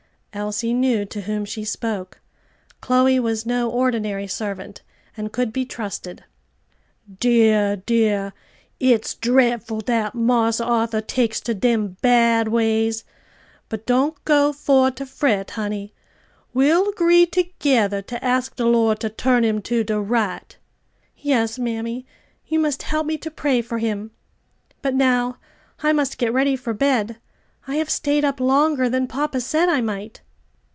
Elsie knew to whom she spoke. Chloe was no ordinary servant, and could be trusted. "Dear, dear, it's drefful that Marse Arthur takes to dem bad ways! But don't go for to fret, honey; we'll 'gree together to ask de Lord to turn him to de right." "Yes, mammy, you must help me to pray for him. But now I must get ready for bed; I have stayed up longer than papa said I might."